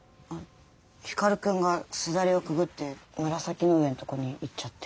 光くんが簾をくぐって紫の上んとこに行っちゃって。